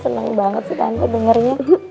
senang banget sih tante dengernya